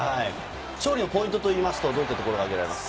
勝利のポイントといいますと、どういったところですか？